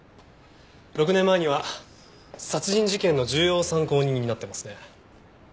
６年前には殺人事件の重要参考人になってますね。